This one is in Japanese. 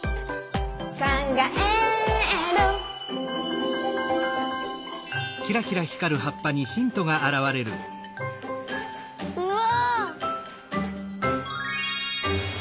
「かんがえる」うわ！